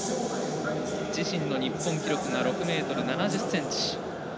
自身の日本記録が６ｍ７０ｃｍ。